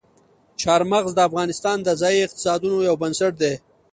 چار مغز د افغانستان د ځایي اقتصادونو یو بنسټ دی.